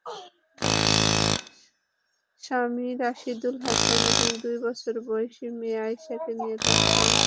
স্বামী রাশিদুল হাসান এবং দুই বছর বয়সী মেয়ে আয়েশাকে নিয়ে তাঁর সংসার।